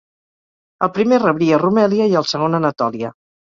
El primer rebria Rumèlia i el segon Anatòlia.